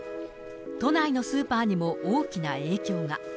都内のスーパーにも大きな影響が。